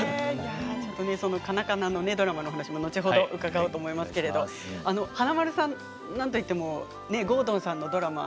その「カナカナ」のドラマの話も後ほど伺おうと思いますけれども華丸さん何といっても郷敦さんのドラマ。